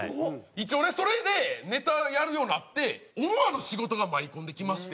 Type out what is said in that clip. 一応ねそれでネタやるようになって思わぬ仕事が舞い込んできまして。